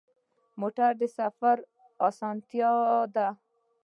موټر د سفر اسانتیا ده.